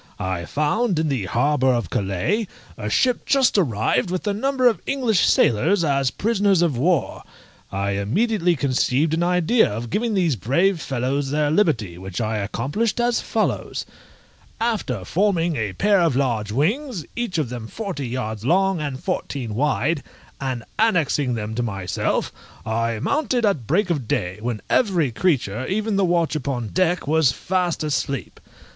I found, in the harbour of Calais, a ship just arrived with a number of English sailors as prisoners of war. I immediately conceived an idea of giving these brave fellows their liberty, which I accomplished as follows: After forming a pair of large wings, each of them forty yards long, and fourteen wide, and annexing them to myself, I mounted at break of day, when every creature, even the watch upon deck, was fast asleep.